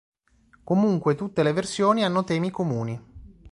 Comunque, tutte le versioni hanno temi comuni.